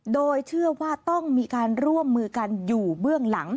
โดยเชื่อว่าต้องมีการร่วมมือกันอยู่เบื้องหลัง